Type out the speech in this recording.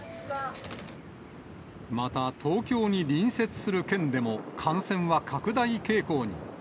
また、東京に隣接する県でも、感染は拡大傾向に。